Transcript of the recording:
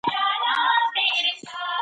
باید هېڅکله د ژوند په سختیو کې تسلیم نه شو.